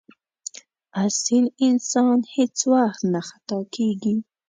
اصیل انسان هېڅ وخت نه خطا کېږي.